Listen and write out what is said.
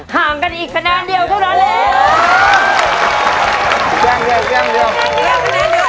ห่างกันอีกคะแนนเดียวนะครับ